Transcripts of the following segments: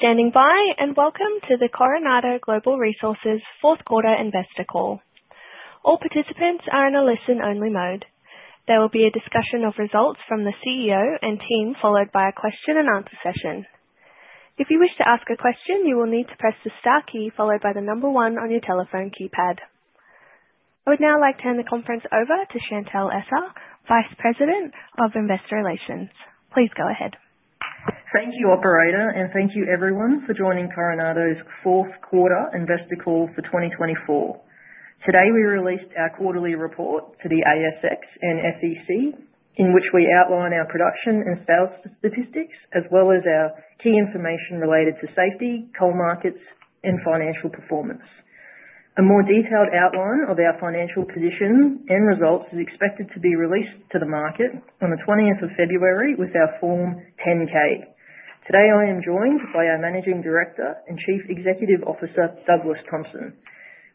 Thank you for standing by, and welcome to the Coronado Global Resources Fourth Quarter Investor Call. All participants are in a listen-only mode. There will be a discussion of results from the CEO and team, followed by a question-and-answer session. If you wish to ask a question, you will need to press the star key, followed by the number one on your telephone keypad. I would now like to hand the conference over to Chantelle Essa, Vice President of Investor Relations. Please go ahead. Thank you, Operator, and thank you, everyone, for joining Coronado's Fourth Quarter Investor Call for 2024. Today, we released our quarterly report to the ASX and SEC, in which we outline our production and sales statistics, as well as our key information related to safety, coal markets, and financial performance. A more detailed outline of our financial position and results is expected to be released to the market on the 20th of February with our Form 10-K. Today, I am joined by our Managing Director and Chief Executive Officer, Douglas Thompson.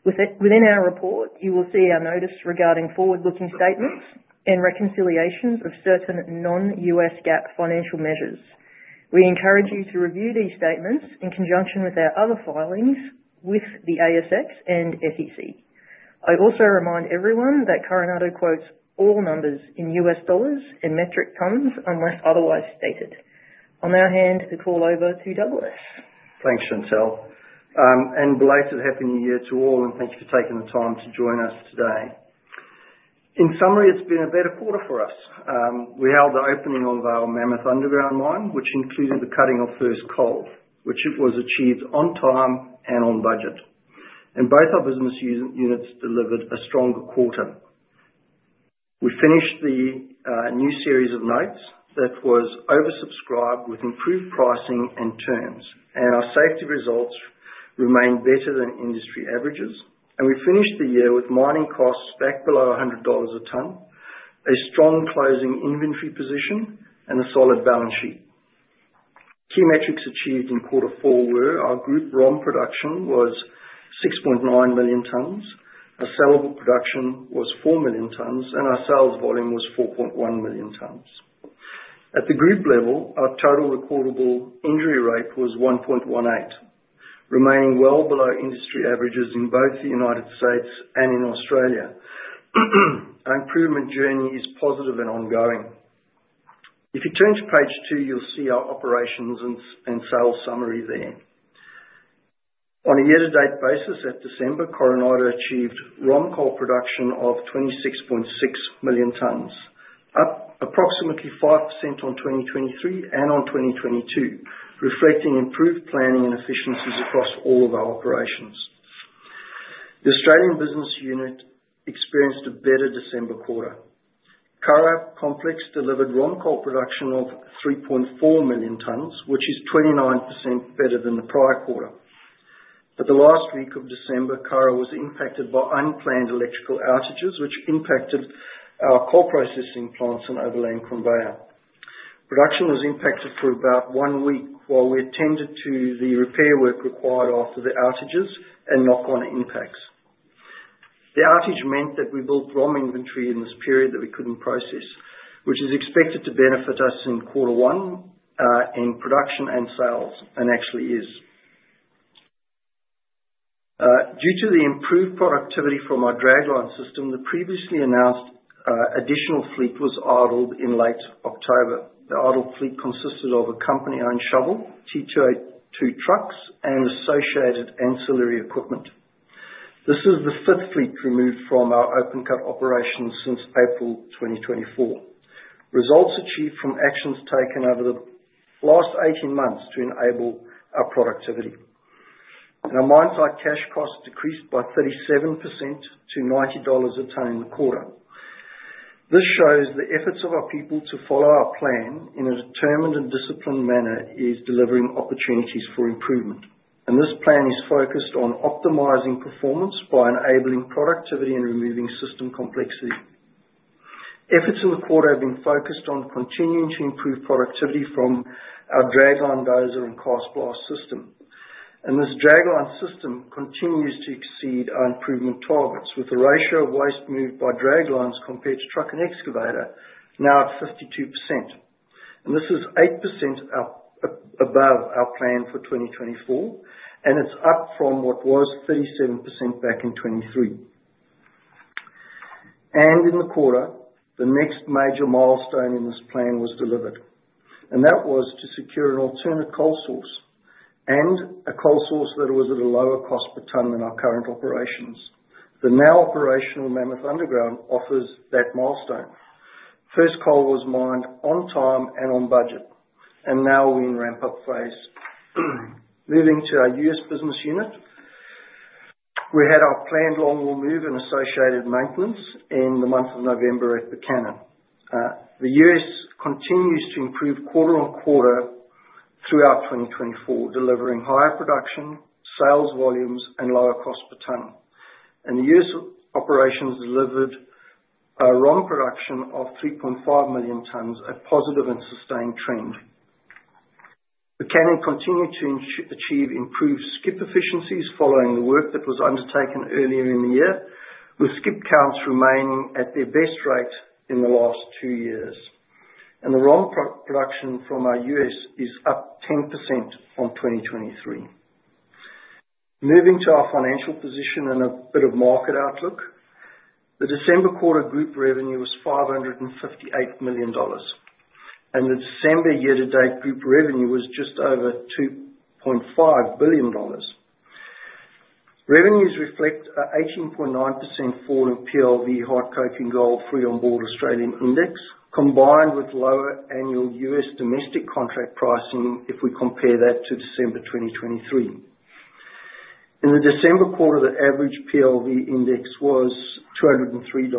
Within our report, you will see our notice regarding forward-looking statements and reconciliations of certain non-U.S. GAAP financial measures. We encourage you to review these statements in conjunction with our other filings with the ASX and SEC. I also remind everyone that Coronado quotes all numbers in U.S. dollars and metric tons unless otherwise stated. Now, hand the call over to Douglas. Thanks, Chantelle, and belated Happy New Year to all, and thank you for taking the time to join us today. In summary, it's been a better quarter for us. We held the opening of our Mammoth Underground Mine, which included the cutting of first coal, which was achieved on time and on budget, and both our business units delivered a strong quarter. We finished the new series of notes that was oversubscribed with improved pricing and terms, and our safety results remained better than industry averages, and we finished the year with mining costs back below $100 a ton, a strong closing inventory position, and a solid balance sheet. Key metrics achieved in Quarter Four were our group ROM production was 6.9 million tons, our saleable production was 4 million tons, and our sales volume was 4.1 million tons. At the group level, our total recordable injury rate was 1.18, remaining well below industry averages in both the United States and in Australia. Our improvement journey is positive and ongoing. If you turn to page two, you'll see our operations and sales summary there. On a year-to-date basis, at December, Coronado achieved ROM coal production of 26.6 million tons, up approximately 5% on 2023 and on 2022, reflecting improved planning and efficiencies across all of our operations. The Australian business unit experienced a better December quarter. Curragh Complex delivered ROM coal production of 3.4 million tons, which is 29% better than the prior quarter. But the last week of December, Curragh was impacted by unplanned electrical outages, which impacted our coal processing plants and overland conveyor. Production was impacted for about one week while we attended to the repair work required after the outages and knock-on impacts. The outage meant that we built ROM inventory in this period that we couldn't process, which is expected to benefit us in Quarter One in production and sales, and actually is. Due to the improved productivity from our dragline system, the previously announced additional fleet was idled in late October. The idled fleet consisted of a company-owned shovel, T282 trucks, and associated ancillary equipment. This is the fifth fleet removed from our open-cut operations since April 2024. Results achieved from actions taken over the last 18 months to enable our productivity. Our mine site cash costs decreased by 37% to $90 a ton in the quarter. This shows the efforts of our people to follow our plan in a determined and disciplined manner are delivering opportunities for improvement, and this plan is focused on optimizing performance by enabling productivity and removing system complexity. Efforts in the quarter have been focused on continuing to improve productivity from our dragline dozer and coal supply system, and this dragline system continues to exceed our improvement targets with a ratio of waste moved by draglines compared to truck and excavator now at 52%. This is 8% above our plan for 2024, and it's up from what was 37% back in 2023. In the quarter, the next major milestone in this plan was delivered, and that was to secure an alternate coal source and a coal source that was at a lower cost per ton than our current operations. The now operational Mammoth Underground offers that milestone. First coal was mined on time and on budget, and now we're in ramp-up phase. Moving to our U.S. business unit, we had our planned longwall move and associated maintenance in the month of November at Buchanan. The U.S. continues to improve quarter on quarter throughout 2024, delivering higher production, sales volumes, and lower cost per ton, and the U.S. operations delivered ROM production of 3.5 million tons, a positive and sustained trend. Buchanan continued to achieve improved skip efficiencies following the work that was undertaken earlier in the year, with skip counts remaining at their best rate in the last two years, and the ROM production from our U.S. is up 10% on 2023. Moving to our financial position and a bit of market outlook, the December quarter group revenue was $558 million, and the December year-to-date group revenue was just over $2.5 billion. Revenues reflect an 18.9% fall in PLV, Hard Coking Coal, Free On Board Australian Index, combined with lower annual U.S. domestic contract pricing if we compare that to December 2023. In the December quarter, the average PLV index was $203,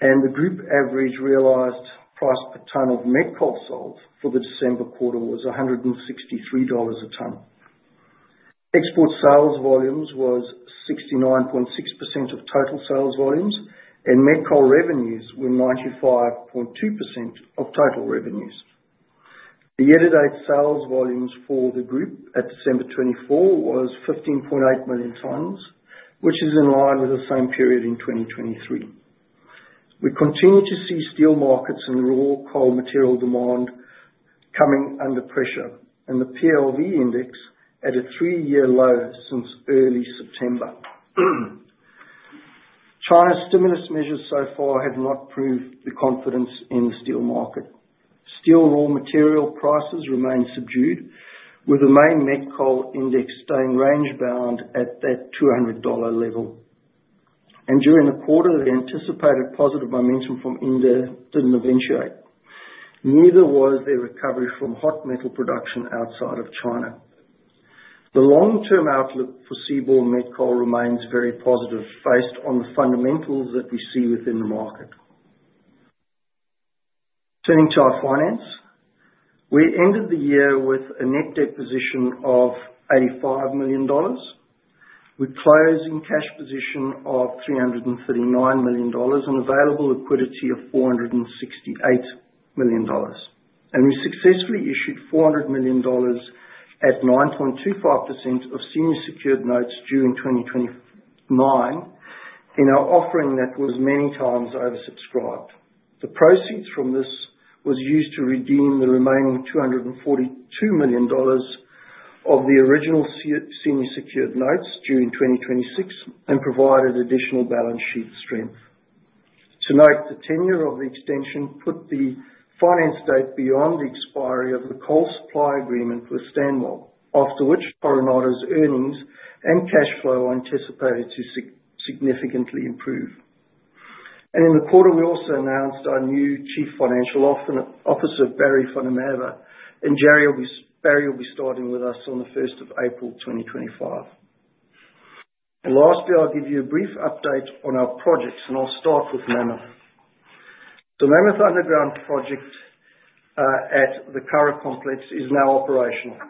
and the group average realized price per ton of met coal sold for the December quarter was $163 a ton. Export sales volumes were 69.6% of total sales volumes, and met coal revenues were 95.2% of total revenues. The year-to-date sales volumes for the group at December 2024 were 15.8 million tons, which is in line with the same period in 2023. We continue to see steel markets and raw coal material demand coming under pressure, and the PLV index at a three-year low since early September. China's stimulus measures so far have not proved the confidence in the steel market. Steel raw material prices remain subdued, with the main met coal index staying range-bound at that $200 level, and during the quarter, the anticipated positive momentum from India didn't eventuate. Neither was the recovery from hot metal production outside of China. The long-term outlook for seaborne met coal remains very positive based on the fundamentals that we see within the market. Turning to our finance, we ended the year with a net debt position of $85 million, with closing cash position of $339 million and available liquidity of $468 million, and we successfully issued $400 million at 9.25% of senior secured notes due in 2029 in our offering that was many times oversubscribed. The proceeds from this were used to redeem the remaining $242 million of the original senior secured notes due in 2026 and provided additional balance sheet strength. To note, the tenure of the extension put the finance date beyond the expiry of the coal supply agreement with Stanwell, after which Coronado's earnings and cash flow anticipated to significantly improve. In the quarter, we also announced our new Chief Financial Officer, Florian Maag, and he will be starting with us on the 1st of April 2025. Lastly, I'll give you a brief update on our projects, and I'll start with Mammoth. The Mammoth Underground project at the Curragh Complex is now operational,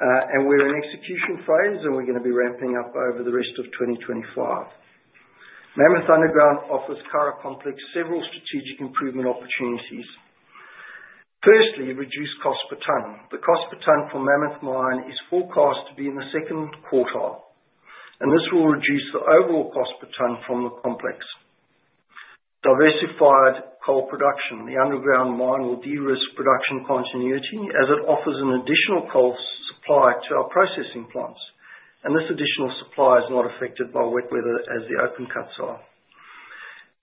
and we're in execution phase, and we're going to be ramping up over the rest of 2025. Mammoth Underground offers Curragh Complex several strategic improvement opportunities. Firstly, reduce cost per ton. The cost per ton from Mammoth Mine is forecast to be in the second quarter, and this will reduce the overall cost per ton from the complex. Diversified coal production. The underground mine will de-risk production continuity as it offers an additional coal supply to our processing plants, and this additional supply is not affected by wet weather as the open cuts are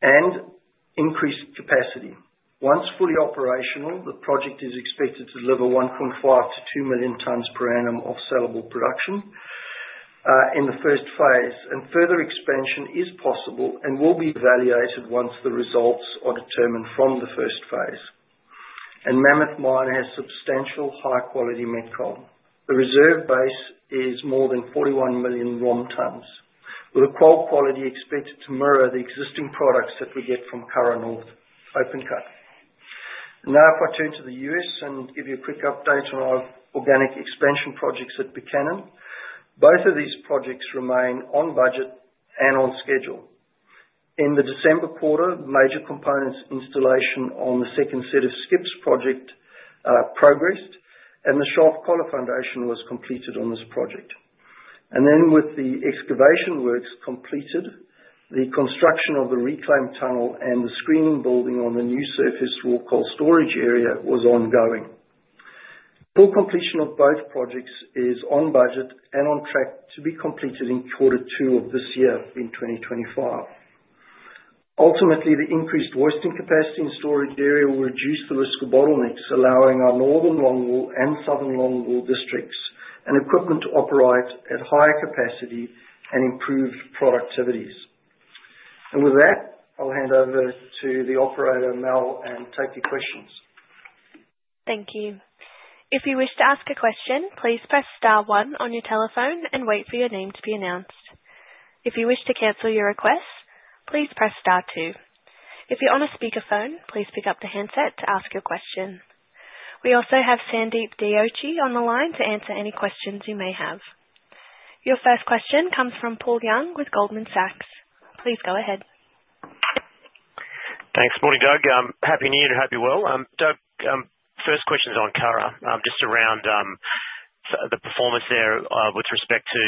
and increased capacity. Once fully operational, the project is expected to deliver 1.5-2 million tons per annum of saleable production in the first phase, and further expansion is possible and will be evaluated once the results are determined from the first phase. Mammoth Mine has substantial high-quality met coal. The reserve base is more than 41 million ROM tons, with a coal quality expected to mirror the existing products that we get from Curragh North open-cut. Now, if I turn to the U.S. and give you a quick update on our organic expansion projects at Buchanan, both of these projects remain on budget and on schedule. In the December quarter, major components installation on the second set of skips project progressed, and the shaft collar foundation was completed on this project, and then, with the excavation works completed, the construction of the reclaim tunnel and the screening building on the new surface raw coal storage area was ongoing. Full completion of both projects is on budget and on track to be completed in Quarter Two of this year in 2025. Ultimately, the increased hoisting capacity and storage area will reduce the risk of bottlenecks, allowing our northern longwall and southern longwall districts and equipment to operate at higher capacity and improved productivities, and with that, I'll hand over to the operator, Mel, and take your questions. Thank you. If you wish to ask a question, please press * 1 on your telephone and wait for your name to be announced. If you wish to cancel your request, please press * 2. If you're on a speakerphone, please pick up the handset to ask your question. We also have some of the team on the line to answer any questions you may have. Your first question comes from Paul Young with Goldman Sachs. Please go ahead. Thanks. Morning, Doug. Happy New Year and happy new year. Doug, first question is on Curragh, just around the performance there with respect to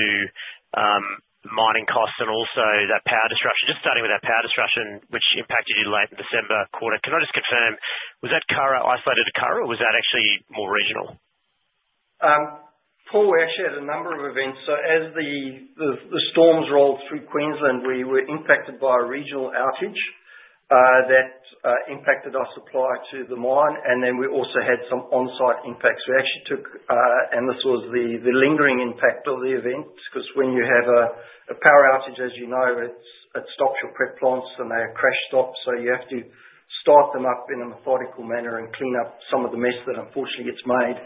mining costs and also that power disruption. Just starting with that power disruption, which impacted you late in the December quarter, can I just confirm, was that Curragh isolated to Curragh, or was that actually more regional? Paul, we actually had a number of events. So as the storms rolled through Queensland, we were impacted by a regional outage that impacted our supply to the mine, and then we also had some on-site impacts. We actually took, and this was the lingering impact of the event, because when you have a power outage, as you know, it stops your prep plants, and they are crash stopped, so you have to start them up in a methodical manner and clean up some of the mess that unfortunately gets made.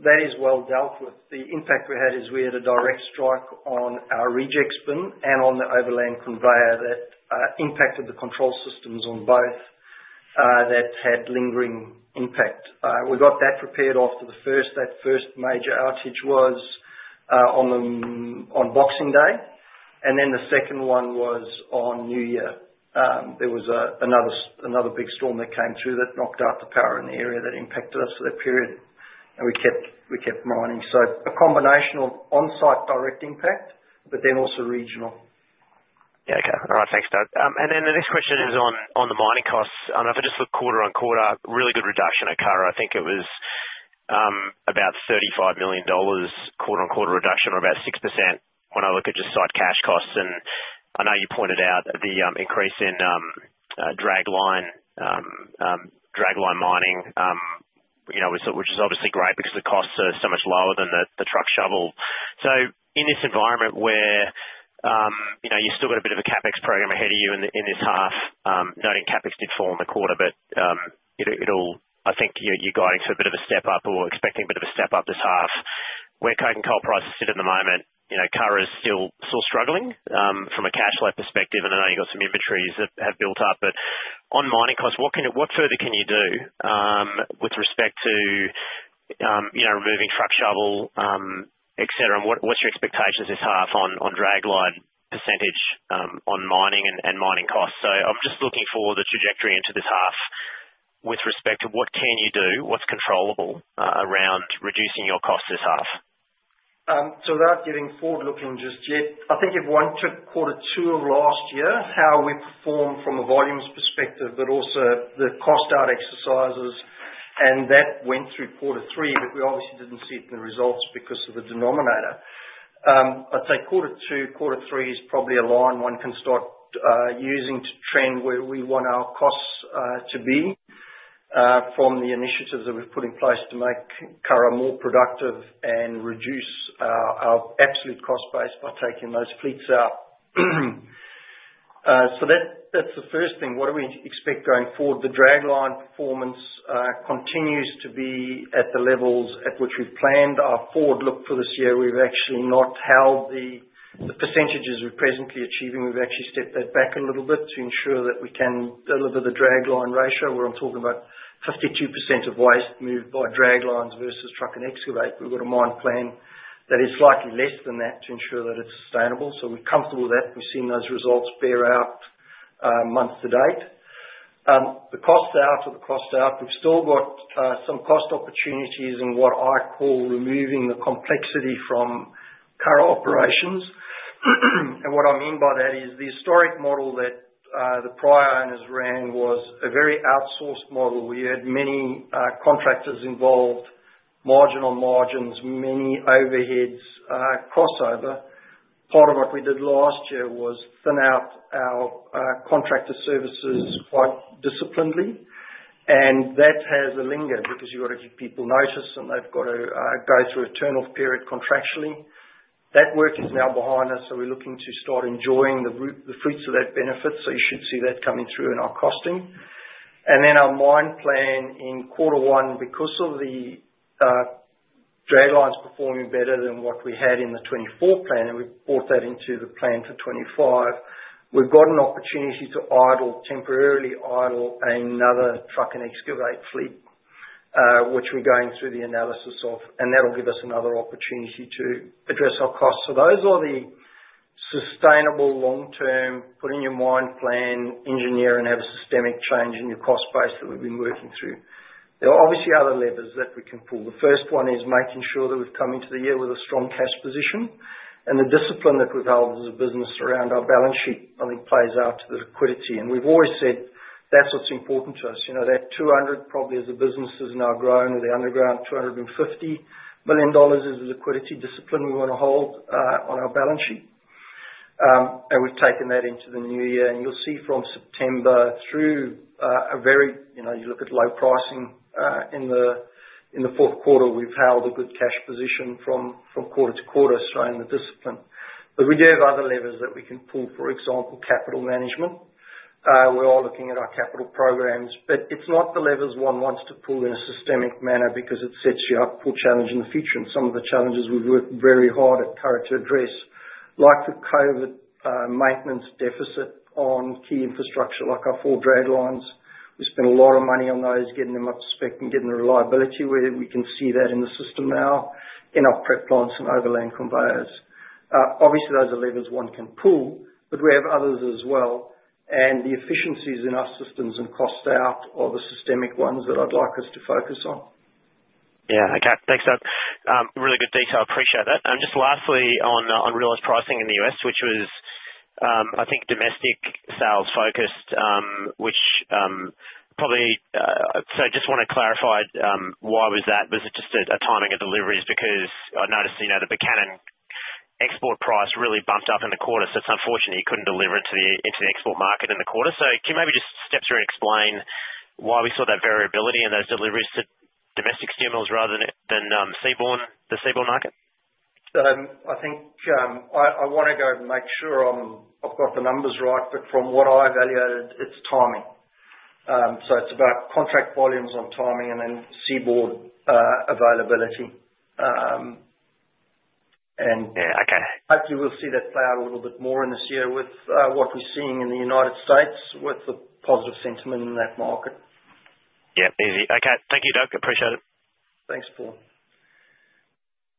That is well dealt with. The impact we had is we had a direct strike on our rejects bin and on the overland conveyor that impacted the control systems on both that had lingering impact. We got that repaired after the first. That first major outage was on Boxing Day, and then the second one was on New Year. There was another big storm that came through that knocked out the power in the area that impacted us for that period, and we kept mining. So a combination of on-site direct impact, but then also regional. Yeah, okay. All right, thanks, Doug. And then the next question is on the mining costs. I mean, if I just look quarter on quarter, really good reduction at Curragh. I think it was about $35 million quarter on quarter reduction or about 6% when I look at just site cash costs. And I know you pointed out the increase in dragline mining, which is obviously great because the costs are so much lower than the truck shovel. So in this environment where you've still got a bit of a CapEx program ahead of you in this half, noting CapEx did fall in the quarter, but I think you're guiding to a bit of a step up or expecting a bit of a step up this half. Where coking coal prices sit at the moment, Curragh is still struggling from a cash flow perspective, and I know you've got some inventories that have built up. But on mining costs, what further can you do with respect to removing truck shovel, etc.? And what's your expectations this half on dragline percentage on mining and mining costs? So I'm just looking for the trajectory into this half with respect to what can you do, what's controllable around reducing your costs this half? So without getting forward-looking just yet, I think if one took Quarter Two of last year, how we performed from a volumes perspective, but also the cost out exercises, and that went through Quarter Three, but we obviously didn't see it in the results because of the denominator. I'd say Quarter Two, Quarter Three is probably a line one can start using to trend where we want our costs to be from the initiatives that we've put in place to make Curragh more productive and reduce our absolute cost base by taking those fleets out. So that's the first thing. What do we expect going forward? The dragline performance continues to be at the levels at which we've planned. Our forward look for this year, we've actually not held the percentages we're presently achieving. We've actually stepped that back a little bit to ensure that we can deliver the dragline ratio. We're talking about 52% of waste moved by draglines versus truck and excavator. We've got a mine plan that is slightly less than that to ensure that it's sustainable. So we're comfortable with that. We've seen those results bear out months to date. The cost out of the cost out, we've still got some cost opportunities in what I call removing the complexity from Curragh operations. And what I mean by that is the historic model that the prior owners ran was a very outsourced model. We had many contracts involved, margin on margins, many overheads, crossover. Part of what we did last year was thin out our contractor services quite disciplinedly, and that has a lingering effect because you've got to give people notice, and they've got to go through a turn-off period contractually. That work is now behind us, so we're looking to start enjoying the fruits of that benefit, so you should see that coming through in our costing. Then our mine plan in Quarter One, because of the draglines performing better than what we had in the 2024 plan, and we brought that into the plan for 2025, we've got an opportunity to temporarily idle another truck and excavator fleet, which we're going through the analysis of, and that'll give us another opportunity to address our costs. So those are the sustainable long-term put in your mine plan, engineer, and have a systemic change in your cost base that we've been working through. There are obviously other levers that we can pull. The first one is making sure that we've come into the year with a strong cash position, and the discipline that we've held as a business around our balance sheet, I think, plays out to the liquidity. And we've always said that's what's important to us. That $200 million probably as a business is now growing with the underground, $250 million is the liquidity discipline we want to hold on our balance sheet. And we've taken that into the new year, and you'll see from September through, even if you look at low pricing in the fourth quarter, we've held a good cash position from quarter to quarter, showing the discipline. But we do have other levers that we can pull, for example, capital management. We're all looking at our capital programs, but it's not the levers one wants to pull in a systemic manner because it sets you up for challenge in the future, and some of the challenges we've worked very hard at Curragh to address, like the COVID maintenance deficit on key infrastructure like our four draglines. We spent a lot of money on those, getting them up to spec and getting the reliability where we can see that in the system now in our prep plants and overland conveyors. Obviously, those are levers one can pull, but we have others as well, and the efficiencies in our systems and cost out are the systemic ones that I'd like us to focus on. Yeah, okay. Thanks, Doug. Really good detail. Appreciate that. And just lastly on realized pricing in the U.S., which was, I think, domestic sales focused, which probably so I just want to clarify why was that? Was it just a timing of deliveries? Because I noticed the Buchanan export price really bumped up in the quarter, so it's unfortunate you couldn't deliver it to the export market in the quarter. So can you maybe just step through and explain why we saw that variability in those deliveries to domestic steel mills rather than the seaborne market? I think I want to go and make sure I've got the numbers right, but from what I evaluated, it's timing, so it's about contract volumes and timing and then seaborne availability, and hopefully, we'll see that play out a little bit more in this year with what we're seeing in the United States with the positive sentiment in that market. Yeah, easy. Okay. Thank you, Doug. Appreciate it. Thanks, Paul.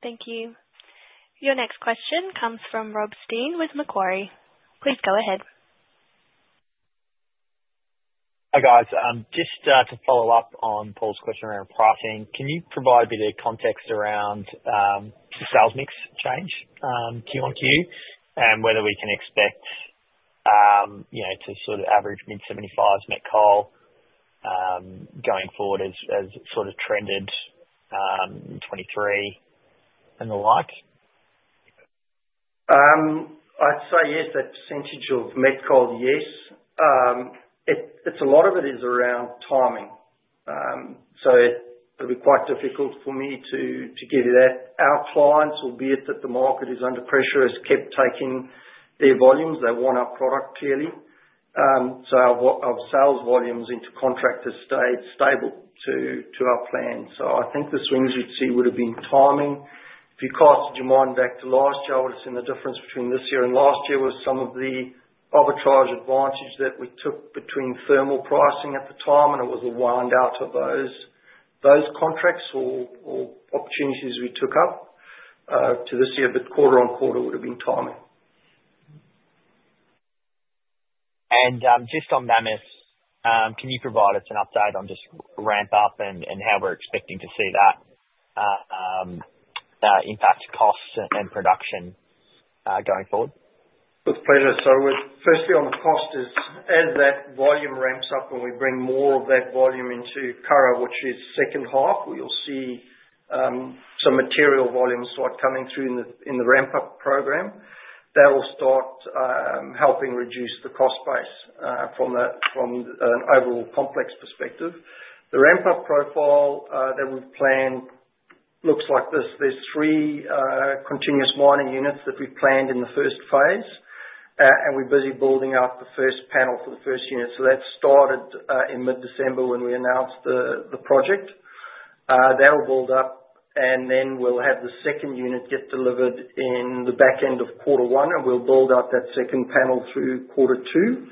Thank you. Your next question comes from Rob Stein with Macquarie. Please go ahead. Hi guys. Just to follow up on Paul's question around pricing, can you provide me the context around the sales mix change Q1, Q2, and whether we can expect to sort of average mid-75s met coal going forward as sort of trended in 2023 and the like? I'd say yes, that percentage of met coal, yes. A lot of it is around timing. So it'll be quite difficult for me to give you that. Our clients, albeit that the market is under pressure, have kept taking their volumes. They want our product clearly. So our sales volumes into contractors stayed stable to our plan. So I think the swings you'd see would have been timing. If you cast your mind back to last year, I would have seen the difference between this year and last year with some of the arbitrage advantage that we took between thermal pricing at the time, and it was a wind down of those contracts or opportunities we took up to this year, but quarter on quarter would have been timing. Just on that Mammoth, can you provide us an update on just ramp up and how we're expecting to see that impact costs and production going forward? With pleasure. Firstly, on the cost, as that volume ramps up and we bring more of that volume into Curragh, which is second half, we'll see some material volume start coming through in the ramp-up program. That will start helping reduce the cost base from an overall complex perspective. The ramp-up profile that we've planned looks like this. There's three continuous mining units that we've planned in the first phase, and we're busy building out the first panel for the first unit. That started in mid-December when we announced the project. That'll build up, and then we'll have the second unit get delivered in the back end of Quarter One, and we'll build out that second panel through Quarter Two.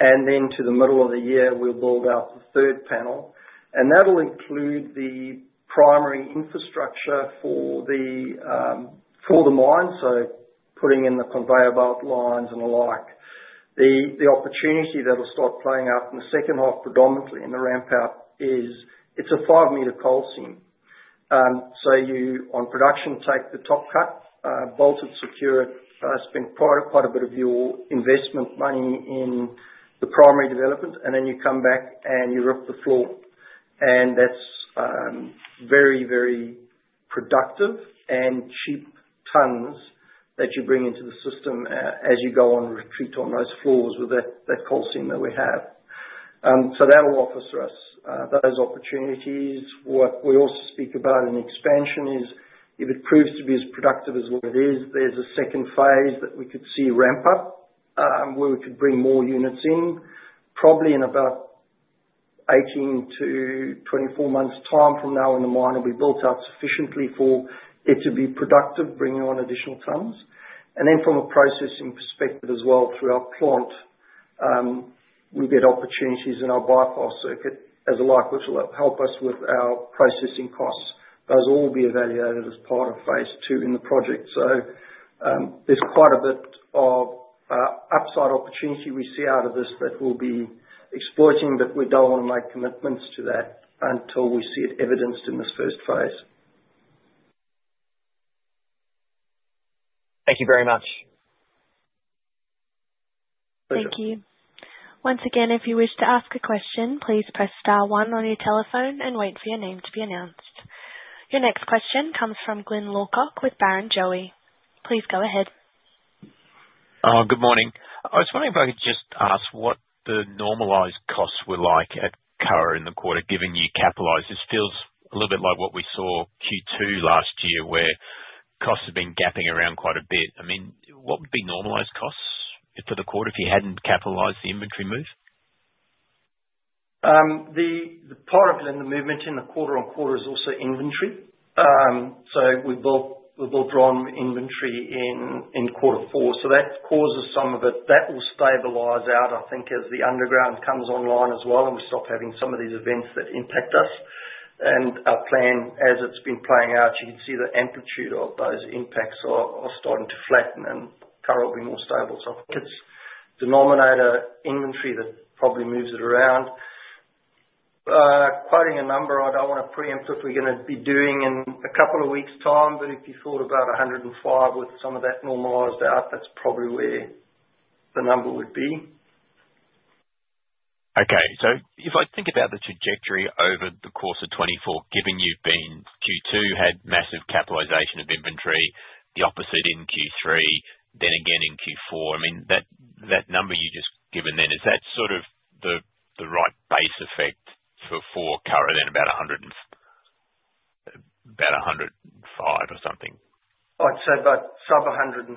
Then to the middle of the year, we'll build out the third panel. And that'll include the primary infrastructure for the mine, so putting in the conveyor belt lines and the like. The opportunity that'll start playing out in the second half, predominantly in the ramp-up, is it's a five-meter coal seam. So you, on production, take the top cut, bolt it, secure it, spend quite a bit of your investment money in the primary development, and then you come back and you rip the floor. And that's very, very productive and cheap tons that you bring into the system as you go on retreat on those floors with that coal seam that we have. So that'll offer us those opportunities. What we also speak about in expansion is if it proves to be as productive as what it is, there's a second phase that we could see ramp up where we could bring more units in. Probably in about 18-24 months' time from now, when the mine will be built out sufficiently for it to be productive, bringing on additional tons, and then from a processing perspective as well through our plant, we get opportunities in our bypass circuit as alike, which will help us with our processing costs. Those will all be evaluated as part of phase two in the project, so there's quite a bit of upside opportunity we see out of this that we'll be exploiting, but we don't want to make commitments to that until we see it evidenced in this first phase. Thank you very much. Pleasure. Thank you. Once again, if you wish to ask a question, please press star one on your telephone and wait for your name to be announced. Your next question comes from Glyn Lawcock with Barrenjoey. Please go ahead. Good morning. I was wondering if I could just ask what the normalized costs were like at Curragh in the quarter, given you capitalized? This feels a little bit like what we saw Q2 last year where costs have been gapping around quite a bit. I mean, what would be normalized costs for the quarter if you hadn't capitalized the inventory move? The part of it in the movement in the quarter on quarter is also inventory. So we've both drawn inventory in quarter four. So that causes some of it. That will stabilize out, I think, as the underground comes online as well and we stop having some of these events that impact us. Our plan, as it's been playing out, you can see the amplitude of those impacts are starting to flatten and Curragh will be more stable. So I think it's denominator inventory that probably moves it around. Quoting a number, I don't want to preempt what we're going to be doing in a couple of weeks' time, but if you thought about 105 with some of that normalized out, that's probably where the number would be. Okay. So if I think about the trajectory over the course of 2024, given you've been Q2 had massive capitalization of inventory, the opposite in Q3, then again in Q4, I mean, that number you just given then, is that sort of the right base effect for Curragh then about 105 or something? I'd say about sub 105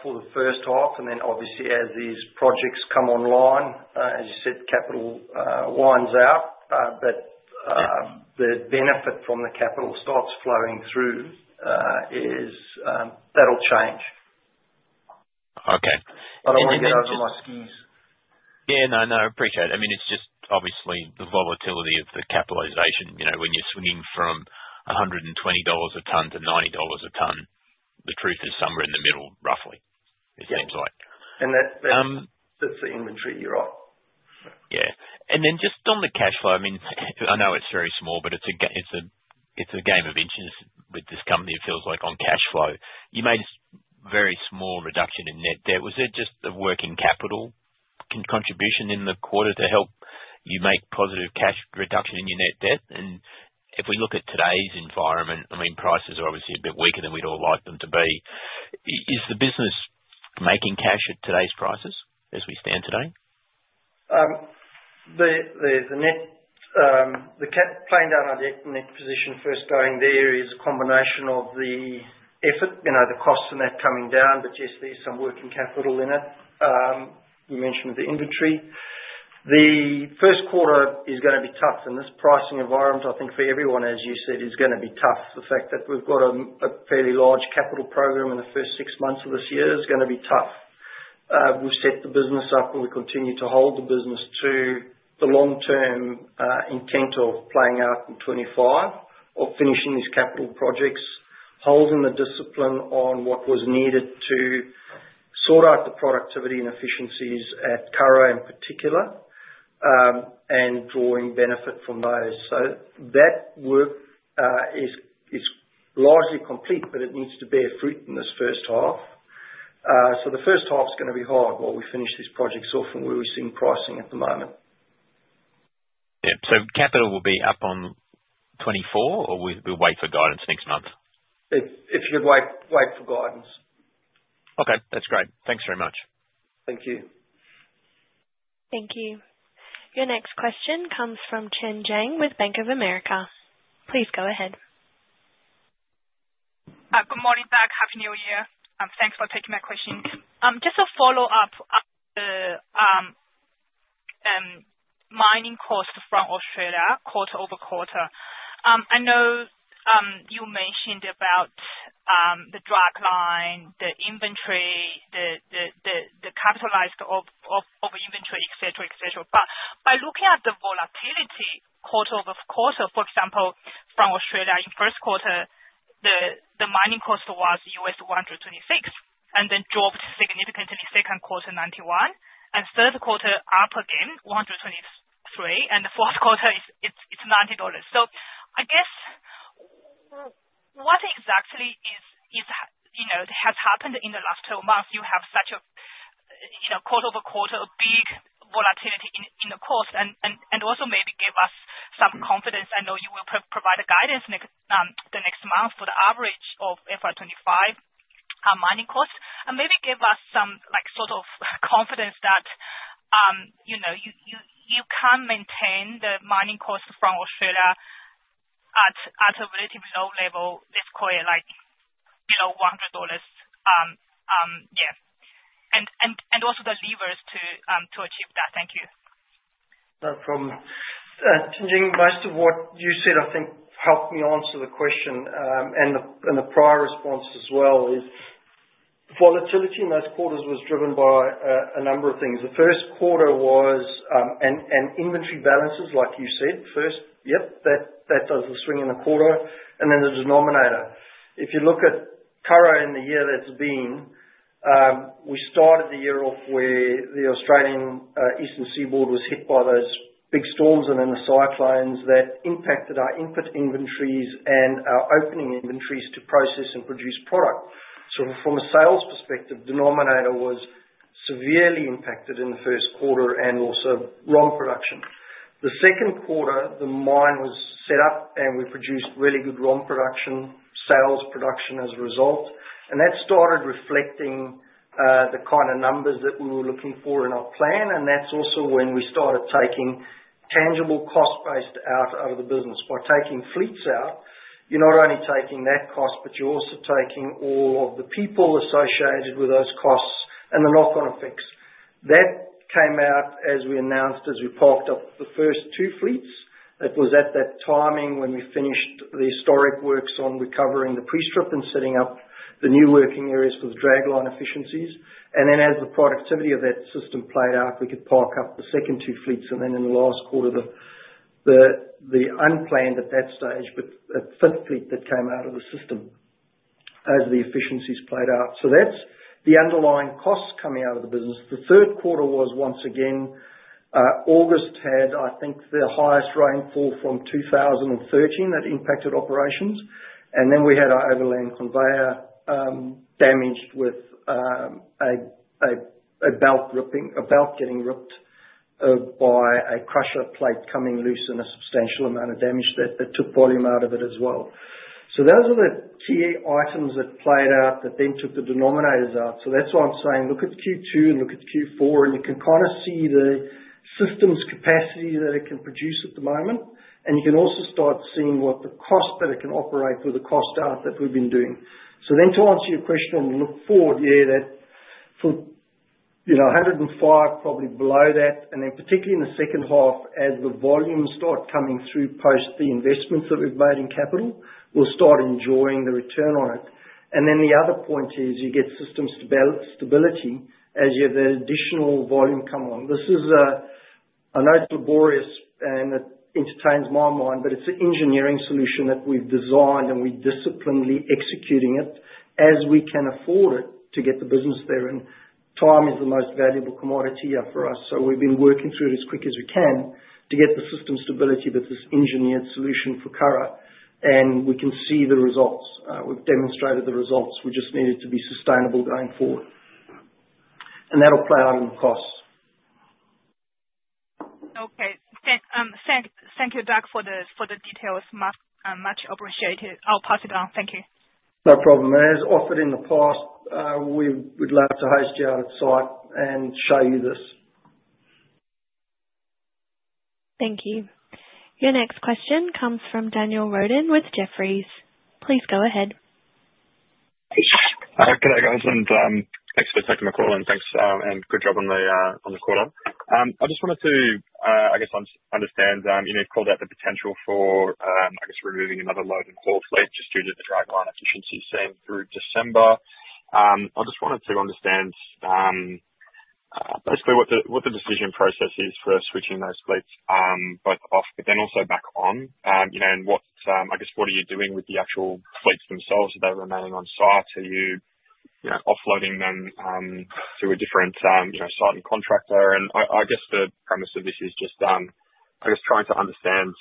for the first half, and then obviously as these projects come online, as you said, capital winds out, but the benefit from the capital starts flowing through, is that'll change. Okay. I don't want to get out of my skis. Yeah, no, no. Appreciate it. I mean, it's just obviously the volatility of the capitalization. When you're swinging from $120 a ton to $90 a ton, the truth is somewhere in the middle, roughly, it seems like. Yeah. And that's the inventory you're on. Yeah. And then just on the cash flow, I mean, I know it's very small, but it's a game of inches with this company. It feels like on cash flow. You made a very small reduction in net debt. Was it just a working capital contribution in the quarter to help you make positive cash reduction in your net debt? And if we look at today's environment, I mean, prices are obviously a bit weaker than we'd all like them to be. Is the business making cash at today's prices as we stand today? The plan down our net position first going there is a combination of the effort, the costs and that coming down, but yes, there's some working capital in it. You mentioned the inventory. The first quarter is going to be tough, and this pricing environment, I think for everyone, as you said, is going to be tough. The fact that we've got a fairly large capital program in the first six months of this year is going to be tough. We've set the business up, and we continue to hold the business to the long-term intent of playing out in 2025 or finishing these capital projects, holding the discipline on what was needed to sort out the productivity and efficiencies at Curragh in particular, and drawing benefit from those. So that work is largely complete, but it needs to bear fruit in this first half. So the first half is going to be hard while we finish these projects off and where we're seeing pricing at the moment. Yeah. So capital will be up on 2024, or we wait for guidance next month? If you could wait for guidance. Okay. That's great. Thanks very much. Thank you. Thank you. Your next question comes from Chen Jiang with Bank of America. Please go ahead. Good morning, Doug. Happy New Year. Thanks for taking my question. Just to follow up on the mining cost from Australia quarter over quarter, I know you mentioned about the dragline, the inventory, the capitalization of inventory, etc., etc. But by looking at the volatility quarter over quarter, for example, from Australia in first quarter, the mining cost was $126 and then dropped significantly second quarter, $91, and third quarter up again, $123, and the fourth quarter, it's $90. So I guess what exactly has happened in the last 12 months? You have such a quarter over quarter big volatility in the cost and also maybe give us some confidence. I know you will provide the guidance the next month for the average of FY25 mining cost and maybe give us some sort of confidence that you can maintain the mining cost from Australia at a relatively low level, let's call it below $100. Yeah, and also the levers to achieve that. Thank you. No problem. Chen Jiang, most of what you said, I think, helped me answer the question and the prior response as well is volatility in those quarters was driven by a number of things. The first quarter was inventory balances, like you said, first. Yep, that does the swing in the quarter, and then the denominator. If you look at Curragh in the year that's been, we started the year off where the Australian East Seaboard was hit by those big storms and then the cyclones that impacted our input inventories and our opening inventories to process and produce product. So from a sales perspective, denominator was severely impacted in the first quarter and also ROM production. The second quarter, the mine was set up and we produced really good ROM production, sales production as a result, and that started reflecting the kind of numbers that we were looking for in our plan. That's also when we started taking tangible cost base out of the business. By taking fleets out, you're not only taking that cost, but you're also taking all of the people associated with those costs and the knock-on effects. That came out as we announced, as we parked up the first two fleets. It was at that timing when we finished the historic works on recovering the pre-strip and setting up the new working areas for the dragline efficiencies. And then, as the productivity of that system played out, we could park up the second two fleets, and then in the last quarter, the unplanned at that stage, but a fifth fleet that came out of the system as the efficiencies played out, so that's the underlying costs coming out of the business. The third quarter was, once again, August had, I think, the highest rainfall from 2013 that impacted operations, and then we had our overland conveyor damaged with a belt ripping, a belt getting ripped by a crusher plate coming loose and a substantial amount of damage that took volume out of it as well, so those are the key items that played out that then took the denominators out. So that's why I'm saying, look at Q2 and look at Q4, and you can kind of see the system's capacity that it can produce at the moment, and you can also start seeing what the cost that it can operate with the cost out that we've been doing. So then to answer your question on the look forward, yeah, that for 105, probably below that, and then particularly in the second half, as the volume starts coming through post the investments that we've made in capital, we'll start enjoying the return on it. And then the other point is you get systems stability as you have that additional volume come along. This is not laborious, and it entertains my mind, but it's an engineering solution that we've designed, and we're disciplinedly executing it as we can afford it to get the business there. Time is the most valuable commodity for us. We've been working through it as quick as we can to get the system stability, but this engineered solution for Curragh, and we can see the results. We've demonstrated the results. We just need it to be sustainable going forward. That'll play out in the cost. Okay. Thank you, Doug, for the details. Much appreciated. I'll pass it on. Thank you. No problem. As offered in the past, we would love to host you out at site and show you this. Thank you. Your next question comes from Daniel Roden with Jefferies. Please go ahead. Hello. Good day, guys. And thanks for taking my call in. Thanks. And good job on the quarter. I just wanted to, I guess, understand you called out the potential for, I guess, removing another load and haul fleets just due to the dragline efficiency seen through December. I just wanted to understand basically what the decision process is for switching those fleets both off, but then also back on, and I guess, what are you doing with the actual fleets themselves? Are they remaining on site? Are you offloading them to a different site and contractor? And I guess the premise of this is just, I guess, trying to understand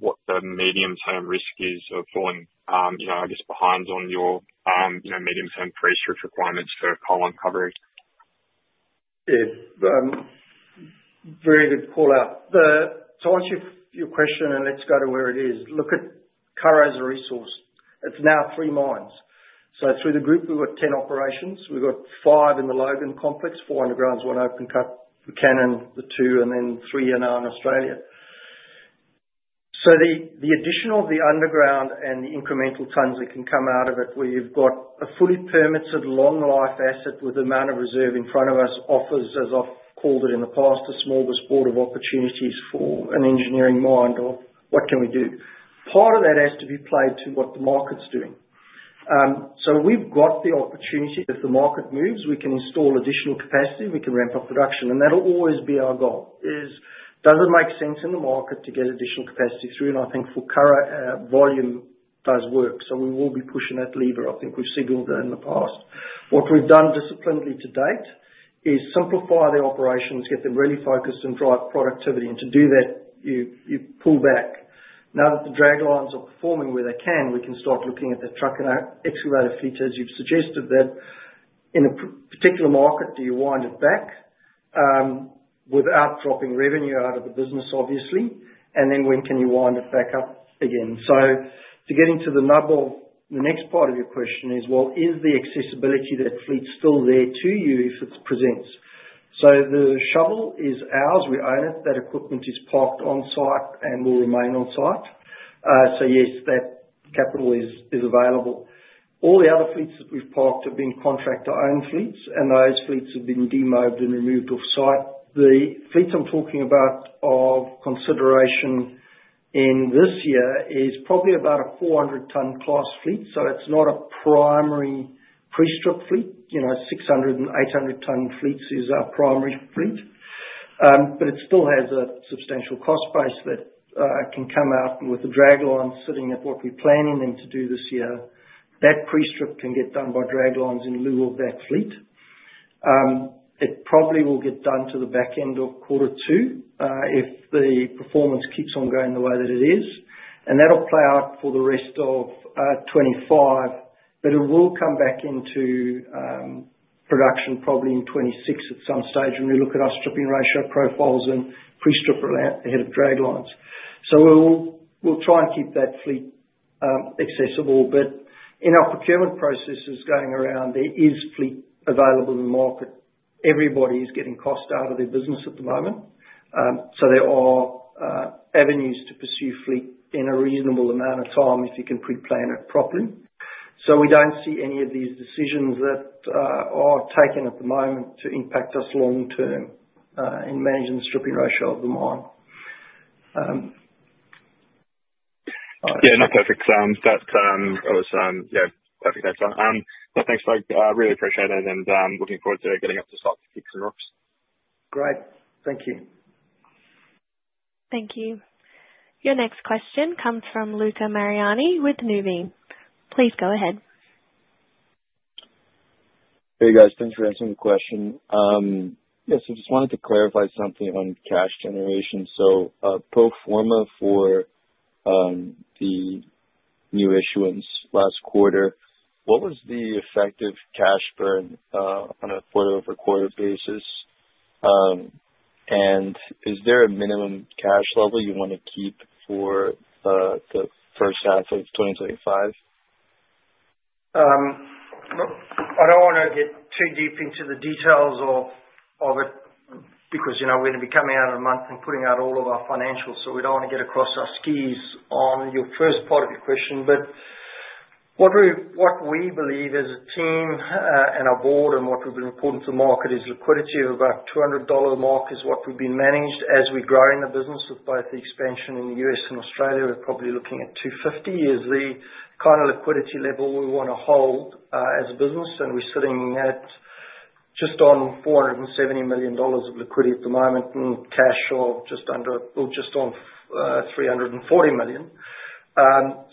what the medium-term risk is of falling, I guess, behind on your medium-term pre-strip requirements for coal uncovering. Yeah. Very good call out. To answer your question, and let's go to where it is, look at Curragh as a resource. It's now three mines. So through the group, we've got 10 operations. We've got five in the Logan Complex, four undergrounds, one open cut, the Canon, the two, and then three in Australia. So the addition of the underground and the incremental tons that can come out of it where you've got a fully permitted long-life asset with the amount of reserve in front of us offers, as I've called it in the past, a smorgasbord of opportunities for an engineering mind or what can we do. Part of that has to be played to what the market's doing. So we've got the opportunity. If the market moves, we can install additional capacity. We can ramp up production. And that'll always be our goal. Does it make sense in the market to get additional capacity through, and I think for Curragh, volume does work, so we will be pushing that lever. I think we've signaled that in the past. What we've done disciplinedly to date is simplify the operations, get them really focused, and drive productivity, and to do that, you pull back. Now that the draglines are performing where they can, we can start looking at the truck and excavator fleet as you've suggested that in a particular market do you wind it back without dropping revenue out of the business, obviously, and then when can you wind it back up again? So to get into the nub of the next part of your question is, well, is the accessibility that fleet still there to you if it presents, so the shovel is ours. We own it. That equipment is parked on site and will remain on site. So yes, that capital is available. All the other fleets that we've parked have been contractor-owned fleets, and those fleets have been demobbed and removed off-site. The fleets I'm talking about of consideration in this year is probably about a 400-ton class fleet. So it's not a primary pre-strip fleet. 600 and 800-ton fleets is our primary fleet, but it still has a substantial cost base that can come out with the drag lines sitting at what we're planning them to do this year. That pre-strip can get done by drag lines in lieu of that fleet. It probably will get done to the back end of quarter two if the performance keeps on going the way that it is. That'll play out for the rest of 2025, but it will come back into production probably in 2026 at some stage when we look at our stripping ratio profiles and pre-strip ahead of draglines. So we'll try and keep that fleet accessible. But in our procurement processes going around, there is fleet available in the market. Everybody is getting cost out of their business at the moment. So there are avenues to pursue fleet in a reasonable amount of time if you can pre-plan it properly. So we don't see any of these decisions that are taken at the moment to impact us long-term in managing the stripping ratio of the mine. Yeah. No, perfect. That was, yeah, perfect. That's fine. But thanks, Doug. Really appreciate it and looking forward to getting up to the site to see the rocks. Great. Thank you. Thank you. Your next question comes from Luca Maiorana with Nuveen. Please go ahead. Hey, guys. Thanks for answering the question. Yes. I just wanted to clarify something on cash generation. So pro forma for the new issuance last quarter, what was the effective cash burn on a quarter-over-quarter basis? And is there a minimum cash level you want to keep for the first half of 2025? I don't want to get too deep into the details of it because we're going to be coming out of the month and putting out all of our financials, so we don't want to get across our skis on your first part of your question. But what we believe as a team and our board and what we've been reporting to the market is liquidity of about $200 mark is what we've been managed as we grow in the business with both the expansion in the US and Australia. We're probably looking at 250 is the kind of liquidity level we want to hold as a business. And we're sitting at just on $470 million of liquidity at the moment and cash or just under or just on $340 million.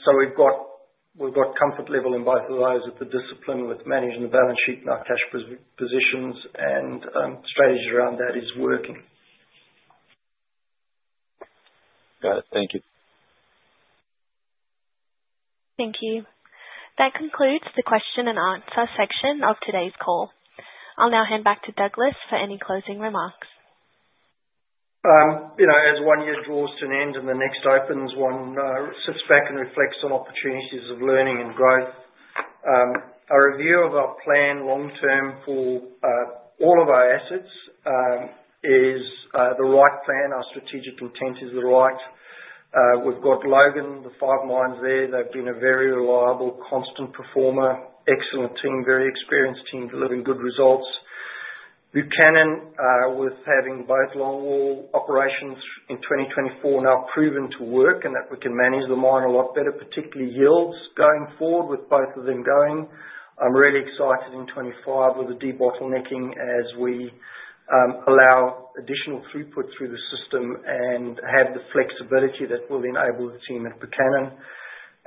So we've got comfort level in both of those with the discipline with managing the balance sheet and our cash positions and strategies around that is working. Got it. Thank you. Thank you. That concludes the question and answer section of today's call. I'll now hand back to Douglas for any closing remarks. As one year draws to an end and the next opens, one sits back and reflects on opportunities of learning and growth. A review of our long-term plan for all of our assets is the right plan. Our strategic intent is right. We've got Logan, the five mines there. They've been a very reliable, constant performer, excellent team, very experienced team delivering good results. Buchanan, with having both longwall operations in 2024, now proven to work and that we can manage the mine a lot better, particularly yields going forward with both of them going. I'm really excited in 2025 with the debottlenecking as we allow additional throughput through the system and have the flexibility that will enable the team at Buchanan.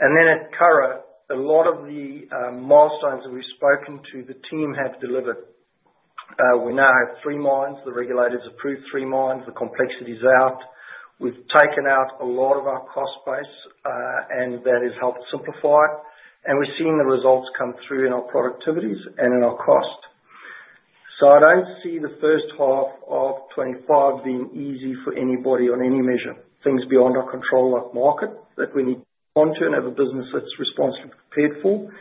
And then at Curragh, a lot of the milestones that we've spoken to the team have delivered. We now have three mines. The regulators approved three mines. The complexity is out. We've taken out a lot of our cost base, and that has helped simplify it, and we're seeing the results come through in our productivities and in our cost, so I don't see the first half of 2025 being easy for anybody on any measure, things beyond our control like market that we need to respond to and have a business that's responsibly prepared for,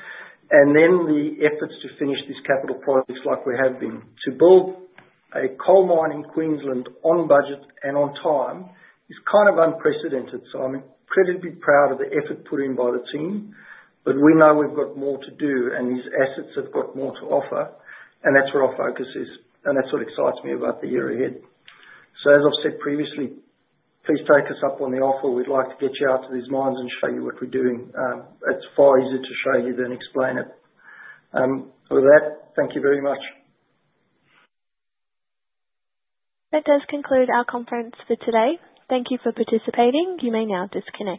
and then the efforts to finish these capital projects like we have been to build a coal mine in Queensland on budget and on time is kind of unprecedented, so I'm incredibly proud of the effort put in by the team, but we know we've got more to do, and these assets have got more to offer, and that's where our focus is, and that's what excites me about the year ahead. So as I've said previously, please take us up on the offer. We'd like to get you out to these mines and show you what we're doing. It's far easier to show you than explain it. With that, thank you very much. That does conclude our conference for today. Thank you for participating. You may now disconnect.